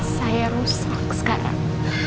saya rusak sekarang